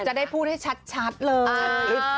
จะได้พูดให้ชัดเลย